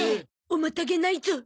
おまたげないゾ。